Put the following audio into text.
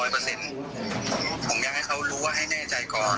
ผมอยากให้เขารู้ว่าให้แน่ใจก่อน